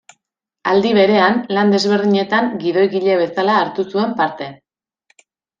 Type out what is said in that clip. Aldi berean, lan desberdinetan gidoigile bezala hartu zuen parte.